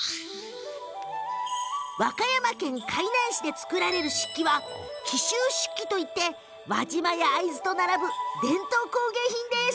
和歌山県海南市で作られる漆器は紀州漆器といって輪島や会津と並ぶ伝統工芸品です。